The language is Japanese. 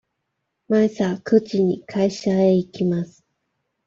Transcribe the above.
毎朝九時に会社へ行きます。